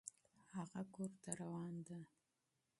هغه کور ته روان ده